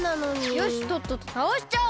よしとっととたおしちゃおう！